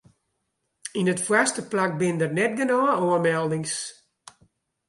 Yn it foarste plak binne der net genôch oanmeldings.